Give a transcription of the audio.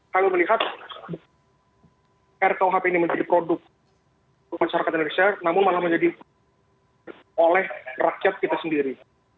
kami melihat rkuhp ini menjadi produk masyarakat indonesia namun malah menjadi oleh rakyat kita sendiri